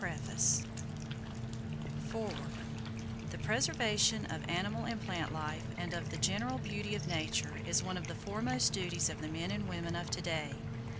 [Page vii] FOREWORD The preservation of animal and plant life, and of the general beauty of Nature, is one of the foremost duties of the men and women of to day.